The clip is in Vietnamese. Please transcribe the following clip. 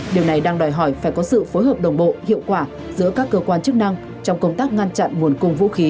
điều này đang đòi hỏi phải có sự phối hợp đồng bộ hiệu quả giữa các cơ quan chức năng trong công tác ngăn chặn nguồn cung vũ khí